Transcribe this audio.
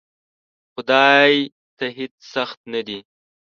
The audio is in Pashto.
خدای ته هیڅ سخت نه دی!